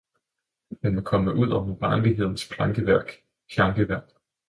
hun var kommet ud over barnlighedens plankeværk, pjankeværk!